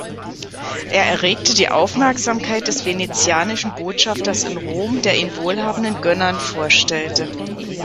Er erregte die Aufmerksamkeit des venetianischen Botschafters in Rom, der ihn wohlhabenden Gönnern vorstellte.